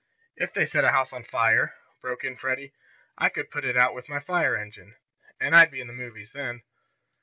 "If they set a house on fire," broke in Freddie, "I could put it out with my fire engine, and I'd be in the movies then."